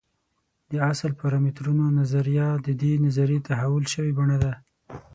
د اصل او پارامترونو نظریه د دې نظریې تحول شوې بڼه ده.